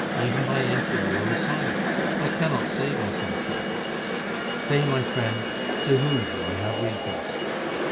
Even by entering a low asylum l I cannot save myself from her. Say, my friend, to whom shall I have recourse